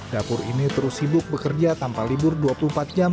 dapur ini terus sibuk bekerja tanpa libur dua puluh empat jam